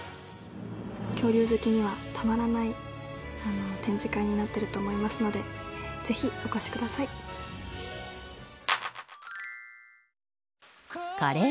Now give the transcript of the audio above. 恐竜好きにはたまらない展示会になっていると思いますのでぜひお越しください。